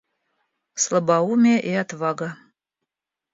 Слабоумие и отвага.